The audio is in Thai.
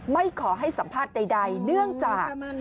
ไม่ขอให้สัมภาษณ์ใดเนื่องจาก